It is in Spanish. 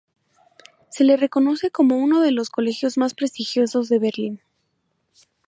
Se le reconoce como uno de los colegios más prestigiosos de Berlín.